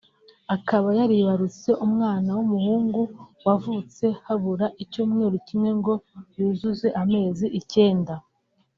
akaba yaribarutse umwana w’umuhungu wavutse habura icyumeru kimwe ngo yuzuze amezi icyenda